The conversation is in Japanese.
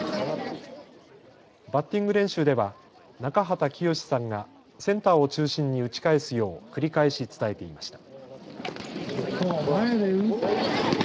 バッティング練習では中畑清さんがセンターを中心に打ち返すよう繰り返し伝えていました。